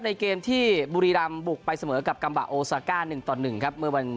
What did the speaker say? ในเกมที่บุรีรามบุกไปเสมอกับกำบาโอซาคาหนึ่งต่อหนึ่งครับ